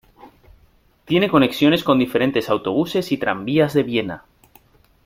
Tiene conexiones con diferentes autobuses y tranvías de Viena.